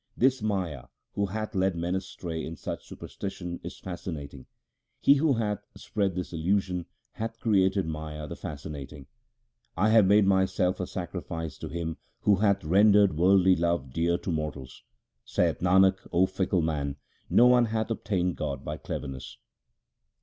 This Maya who hath led man astray in such superstition is fascinating ; He who hath spread this illusion hath created Maya the fascinating. 1 have made myself a sacrifice to Him who hath rendered worldly love dear to mortals. Saith Nanak, O fickle man, no one hath obtained God by cleverness.